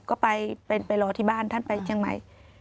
ก็ไปรอที่บ้านท่านไปเชียงใหม่